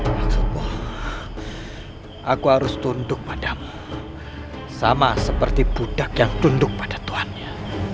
maksudku aku harus tunduk padamu sama seperti budak yang tunduk pada tuhannya